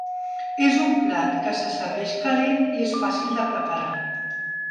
És un plat que se serveix calent i és fàcil de preparar.